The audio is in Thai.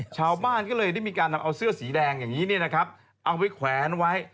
ชาวบ้านก็เลยได้มีการนำเอาเสื้อสีแดงอย่างนี้นะครับเอาไว้แขวนไว้